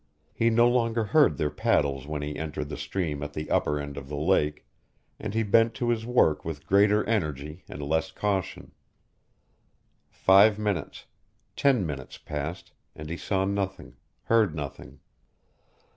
He no longer heard their paddles when he entered the stream at the upper end of the lake, and he bent to his work with greater energy and less caution. Five minutes ten minutes passed, and he saw nothing, heard nothing.